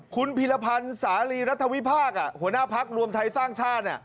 คุณพิรพันธ์สาลีรัฐวิพากษ์หัวหน้าพักรวมไทยสร้างชาติ